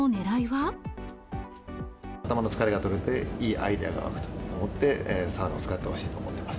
頭の疲れが取れて、いいアイデアが湧くと思って、サウナを使ってほしいなと思っています。